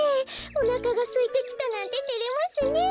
おなかがすいてきたなんててれますね。